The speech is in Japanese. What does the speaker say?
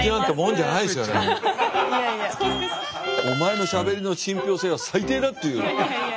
お前のしゃべりの信ぴょう性は最低だっていう。